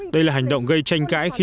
đây là hành động gây tranh cãi